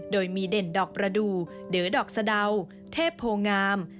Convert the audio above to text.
โดยมีเด่นดอกประดูกเดอดอกสะดาวเทพโพงาม